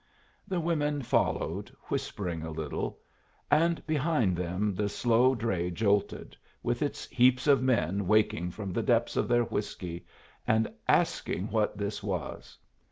The women followed, whispering a little; and behind them the slow dray jolted, with its heaps of men waking from the depths of their whiskey and asking what this was.